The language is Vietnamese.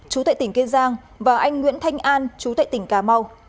trú tại tỉnh kiên giang và anh nguyễn thanh an trú tại tỉnh cà mau